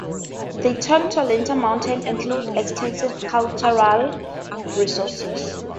The Tortolita Mountains include extensive cultural resources.